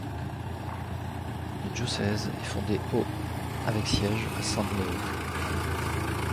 Le diocèse est fondé au avec siège à San Leo.